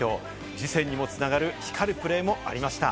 次戦にも繋がる光るプレーもありました。